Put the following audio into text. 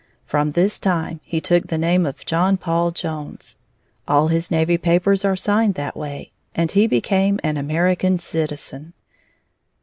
From this time he took the name of John Paul Jones. All his navy papers are signed that way. And he became an American citizen.